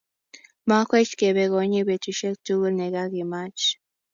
Makwech kebe konyi betushek tukul nekakimach